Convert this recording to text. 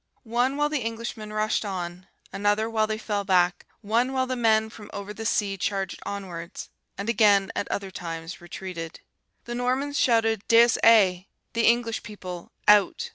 One while the Englishmen rushed on, another while they fell back; one while the men from over the sea charged onwards, and again at other times retreated. The Normans shouted 'Dex aie,' the English people 'Out.'